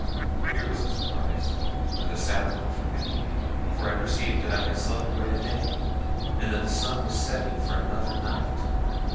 Here was a surprise, and a sad one for me, for I perceived that I had slept away a day, and that the sun was setting for another night.